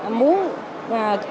các nước trong thế giới